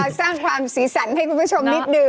สร้างความสีสันให้คุณผู้ชมนิดหนึ่ง